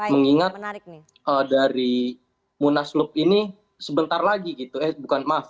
mengingat dari munaslup ini sebentar lagi gitu eh bukan maaf